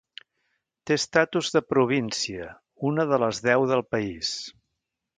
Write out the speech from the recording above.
Té estatus de província, una de les deu del país.